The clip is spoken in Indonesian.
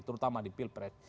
terutama di pilpres